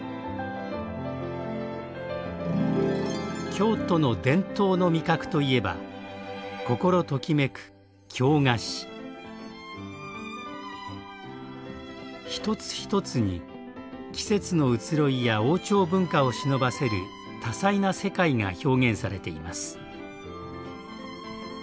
京都の伝統の味覚といえば一つ一つに季節の移ろいや王朝文化をしのばせる多彩な世界が表現されています。